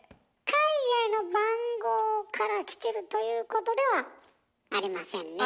海外の番号からきてるということではありませんねえ。